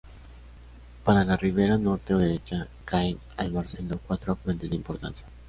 Por la ribera norte o derecha, caen al Barceló cuatro afluentes de importancia.